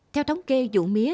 theo thống kê dụ mía